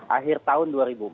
akhir tahun dua ribu empat belas